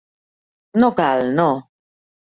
No cal, no.